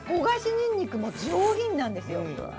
にんにくも上品なんですよ。